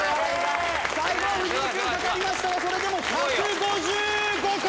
最後は藤井君かかりましたがそれでも１５５回！